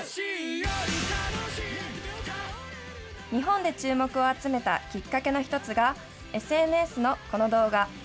日本で注目を集めたきっかけの一つが、ＳＮＳのこの動画。